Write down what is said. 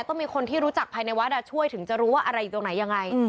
ต้องมีคนที่รู้จักภายในวัดช่วยถึงจะรู้ว่าอะไรอยู่ตรงไหนยังไง